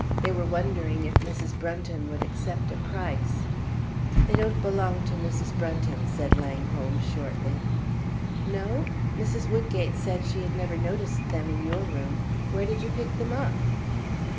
They were wondering if Mrs. Brunton would accept a price." "They don't belong to Mrs. Brunton," said Langholm, shortly. "No? Mrs. Woodgate said she had never noticed them in your room. Where did you pick them up?"